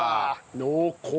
濃厚！